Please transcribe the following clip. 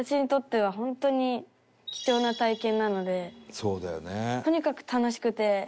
そうだよね。